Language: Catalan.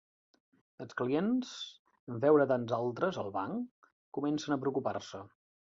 Els clients, en veure a tants altres al banc, comencen a preocupar-se.